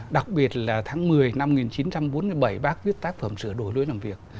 đặc biệt là tháng một mươi năm một nghìn chín trăm bốn mươi bảy bác viết tác phẩm sửa đổi lưới làm việc